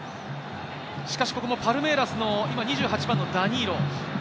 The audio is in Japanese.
しかし、ここもパルメイラスの２８番のダニーロ。